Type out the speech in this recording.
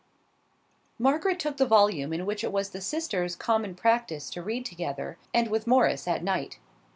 Margaret took the volume in which it was the sisters' common practice to read together, and with Morris at night.